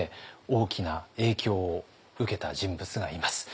大きな影響を受けた人物がいます。